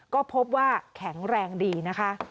ก็พบว่าแข็งแรงดีนะคะ